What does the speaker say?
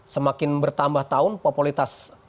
semakin bertambah tahun populitas